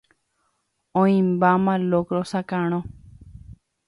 oĩmbáma locro sakarõ.